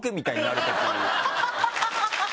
ハハハハ！